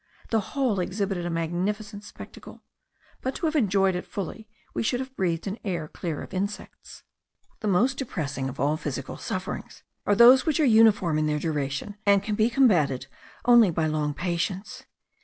The whole exhibited a magnificent spectacle; but to have enjoyed it fully, we should have breathed an air clear of insects. The most depressing of all physical sufferings are those which are uniform in their duration, and can be combated only by long patience.